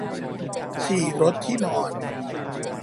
ฉี่รดที่นอน